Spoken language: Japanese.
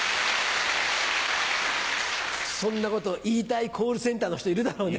そんなこと言いたいコールセンターの人いるだろうね。